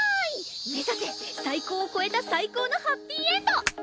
目指せ最高を超えた最高のハッピーエンド！